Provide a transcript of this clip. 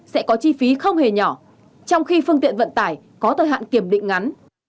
sẽ có chi phí không hề nhỏ trong khi phương tiện vận tải có thời hạn kiểm định ngắn